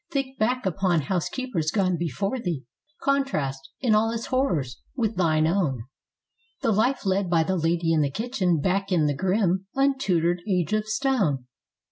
Think back upon house¬ keepers gone before thee; contrast in all its horrors with thine own The life led by the lady in the kitchen back in the grim, untutored Age of Stone.